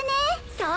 そう。